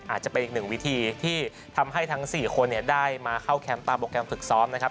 อาจจะเป็นอีกหนึ่งวิธีที่ทำให้ทั้ง๔คนได้มาเข้าแคมป์ตามโปรแกรมฝึกซ้อมนะครับ